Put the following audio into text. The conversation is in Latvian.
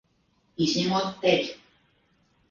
Izņemot tevi!